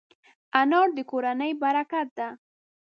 انا د کورنۍ برکت ده